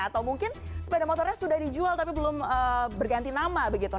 atau mungkin sepeda motornya sudah dijual tapi belum berganti nama begitu